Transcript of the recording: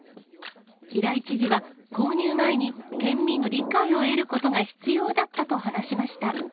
平井知事は、購入前に県民の理解を得ることが必要だったと話しました。